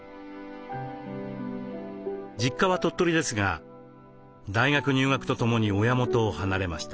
実家は鳥取ですが大学入学とともに親元を離れました。